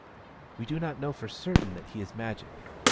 " We do not know for certain that he is Magic.